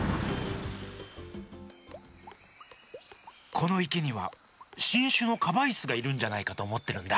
このいけにはしんしゅのカバイスがいるんじゃないかとおもってるんだ。